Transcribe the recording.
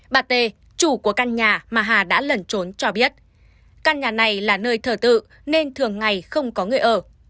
bà tê chủ của căn nhà mà hà đã lẩn trốn cho biết căn nhà này là nơi thờ tự nên thường ngày không có người ở